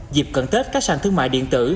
dịp cận tết các sàn thương mại điện tử